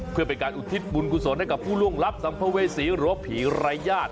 เพื่อเป็นการอุทิศบุญกุศลให้กับผู้ล่วงลับสัมภเวษีหรือว่าผีรายญาติ